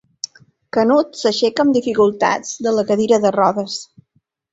Canut s'aixeca amb dificultats de la cadira de rodes.